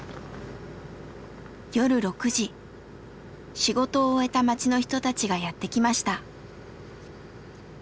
仕事を終えた町の人たちがやって来ました。